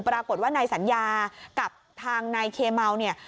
ปรากฏว่านายสัญญากับทางนายเคเมาเนี่ย